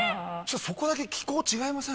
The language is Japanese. そこだけ気候違いません？